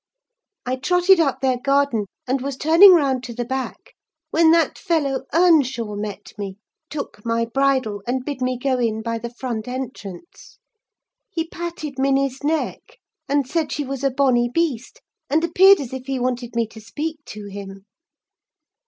I trotted up their garden, and was turning round to the back, when that fellow Earnshaw met me, took my bridle, and bid me go in by the front entrance. He patted Minny's neck, and said she was a bonny beast, and appeared as if he wanted me to speak to him.